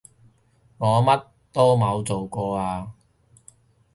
我乜都冇做過啊